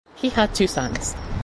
He had two sons.